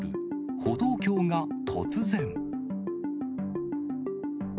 歩道橋が突然。